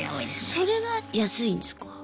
それは安いんですか？